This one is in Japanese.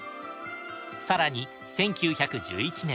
更に１９１１年。